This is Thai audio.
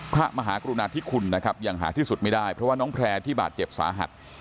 พระมหากรุณาธิคุณนะครับยังหาที่สุดไม่ได้เพราะว่าน้องแพร่ที่บาดเจ็บสาหัส